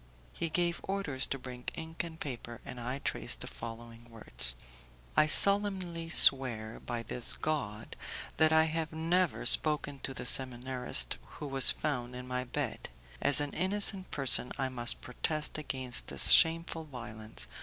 He gave orders to bring ink and paper, and I traced the following words: "I solemnly swear by this God that I have never spoken to the seminarist who was found in my bed. As an innocent person I must protest against this shameful violence.